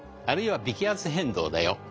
あるいは微気圧変動だよ。